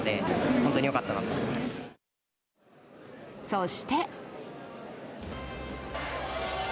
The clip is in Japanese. そして。